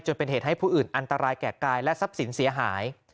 เป็นเหตุให้ผู้อื่นอันตรายแก่กายและทรัพย์สินเสียหาย